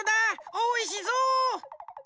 おいしそう。